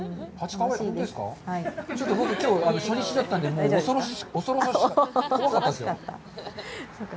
ちょっときょう初日だったので怖かったですよ。